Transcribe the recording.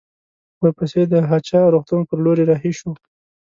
ورپسې د هه چه روغتون پر لور رهي شوو.